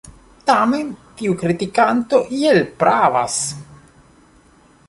Tamen tiu kritikanto iel pravas.